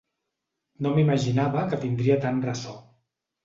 No m’imaginava que tindria tant ressò.